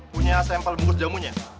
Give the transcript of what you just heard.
punya sampel bungkus jamunya